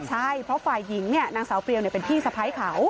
ใช่เพราะฝ่ายหญิงเนี่ยนางสาวเปรียวเป็นพี่สะพ้ายเขา